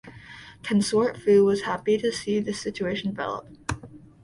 Consort Fu was happy to see this situation develop.